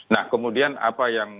nah kemudian apa yang